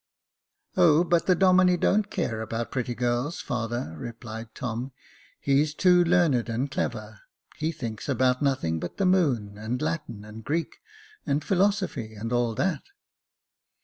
O, but the Domine don't care about pretty girls, father," replied Tom; "he's too learned and clever; he thinks about nothing but the moon, and Latin, and Greek, and philosophy, and all that."